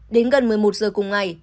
đến gần một mươi một giờ cùng ngày